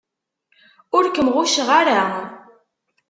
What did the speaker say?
Ur kem-ɣucceɣ ara.